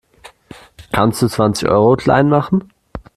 Kannst du zwanzig Euro klein machen?